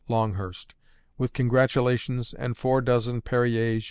Longhurst, with congratulations and four dozen Perrier Jouet.